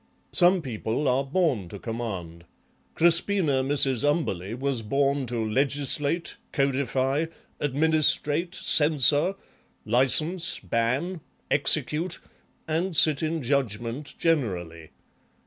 Some people are born to command; Crispina Mrs. Umberleigh was born to legislate, codify, administrate, censor, license, ban, execute, and sit in judgement generally.